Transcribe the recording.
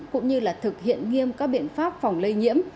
cũng như là thực hiện nghiêm các biện pháp phòng lây nhiễm